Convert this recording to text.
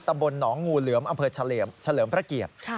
ตำบลหนองงูเหลือมอำเภอเฉลิมพระเกียรติ